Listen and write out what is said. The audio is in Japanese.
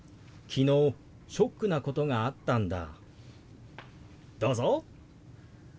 昨日ショックなことがあったんだ。